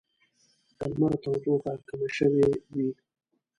د لمر تودوخه کمه شوې وي